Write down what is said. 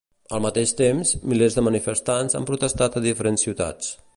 Al mateix temps, milers de manifestants han protestat a diferents ciutats.